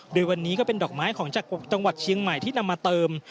โดยวันนี้ก็เป็นดอกไม้ของจากจังหวัดเชียงใหม่ที่นำมาเติม